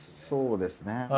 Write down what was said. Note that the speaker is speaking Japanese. そうですね。